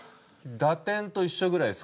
打点と一緒ぐらいです。